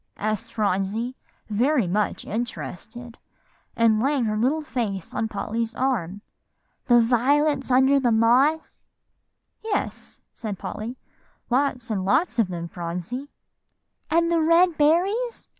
asked Phronsie, very much interested, and laying her little face on Polly's arm, "the little violets under the moss?" "Yes," said Polly, "lots and lots of them, Phronsie." "And the red berries?"